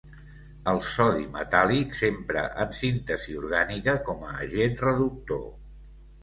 El sodi metàl·lic s'empra en síntesi orgànica com a agent reductor.